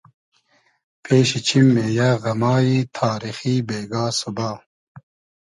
پېشی چیم مې یۂ غئمای تاریخی بېگا سوبا